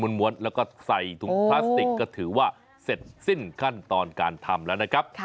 ้วนแล้วก็ใส่ถุงพลาสติกก็ถือว่าเสร็จสิ้นขั้นตอนการทำแล้วนะครับ